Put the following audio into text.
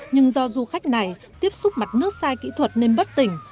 nhưng do du khách này tiếp xúc mặt nước sai kỹ thuật nên bất tỉnh